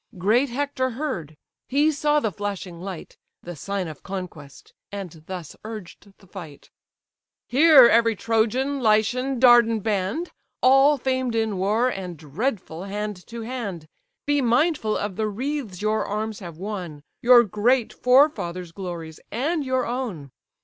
Great Hector heard; he saw the flashing light, (The sign of conquest,) and thus urged the fight: "Hear, every Trojan, Lycian, Dardan band, All famed in war, and dreadful hand to hand. Be mindful of the wreaths your arms have won, Your great forefathers' glories, and your own.